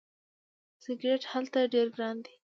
سیګرټ هلته ډیر ګران دي.